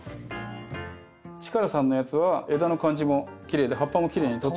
力さんのやつは枝の感じもきれいで葉っぱもきれいに整ってるので。